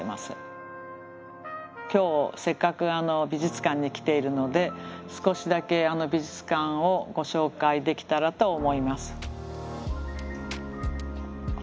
今日せっかく美術館に来ているので少しだけ美術館をご紹介できたらと思います。